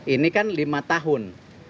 ini kan lima tahun